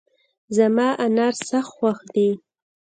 زما انار سخت خوښ دي